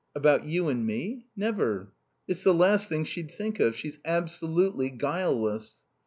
"About you and me? Never. It's the last thing she'd think of. She's absolutely guileless."